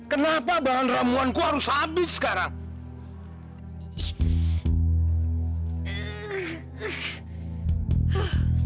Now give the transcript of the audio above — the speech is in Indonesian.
kenapa bahan ramuanku harus habis sekarang